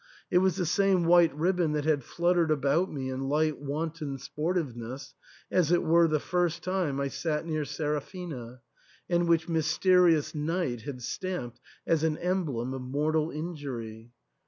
It was the same white ribbon that had fluttered about me in light wan ton sportiveness as it were the first time I sat near Seraphina, and which Mysterious Night had stamped as an emblem of mortal injury.